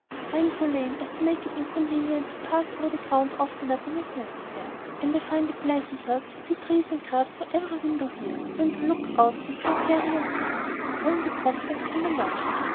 I am so lame as to make it inconvenient to pass over the ground oftener than is necessary; and I find it pleasanter to see trees and grass through every window here, than to look out into the farrier's yard, the only prospect from my lodging.